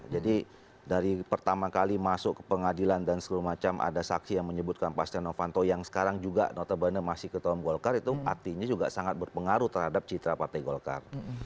jadi dari pertama kali masuk ke pengadilan dan segala macam ada saksi yang menyebutkan pak novanto yang sekarang juga notabene masih ketua golkar itu artinya juga sangat berpengaruh terhadap citra partai golkar